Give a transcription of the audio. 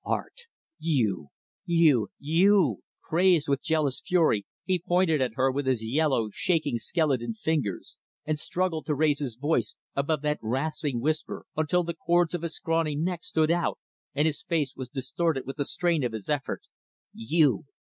Art! you you you! " crazed with jealous fury, he pointed at her with his yellow, shaking, skeleton fingers; and struggled to raise his voice above that rasping whisper until the cords of his scrawny neck stood out and his face was distorted with the strain of his effort "_You!